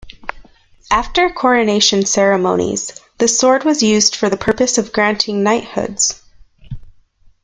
After coronation ceremonies, the sword was used for the purpose of granting knighthoods.